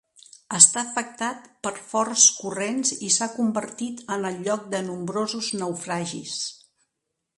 Està afectat per forts corrents i s'ha convertit en el lloc de nombrosos naufragis.